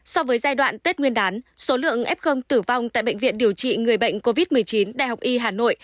so với giai đoạn tết nguyên đán số lượng f tử vong tại bệnh viện điều trị người bệnh covid một mươi chín đại học y hà nội